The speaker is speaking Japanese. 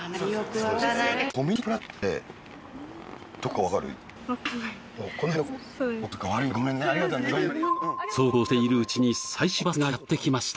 そうこうしているうちに最終バスがやってきました。